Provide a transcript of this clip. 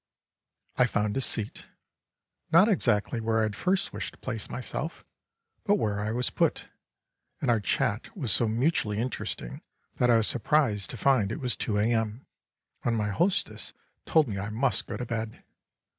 I found a seat not exactly where I had first wished to place myself, but where I was put and our chat was so mutually interesting that I was surprised to find it was 2 A.M. when my hostess told me I must go to bed.